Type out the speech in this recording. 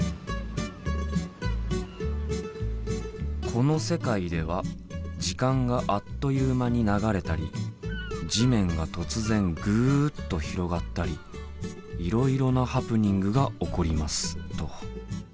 「この世界では時間があっという間に流れたり地面が突然ぐっと広がったりいろいろなハプニングが起こります」と。